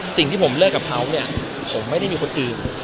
สิ่งที่ผมเลิกกับเขาเนี่ยผมไม่ได้มีคนอื่น